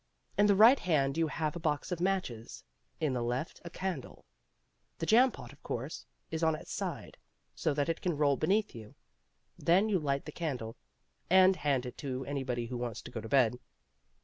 In the right hand you have a box of matches, in the left a candle. The jam pot, of course, is on its side, so that it can roll beneath you. Then you light the candle ... and hand it to anybody who wants to go to bed.